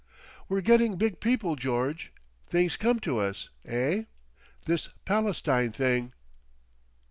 We're getting big people, George. Things come to us. Eh? This Palestine thing."...